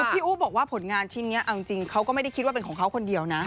พี่อู๋บอกว่าผลงานชิ้นนี้เอาจริงเขาก็ไม่ได้คิดว่าเป็นของเขาคนเดียวนะ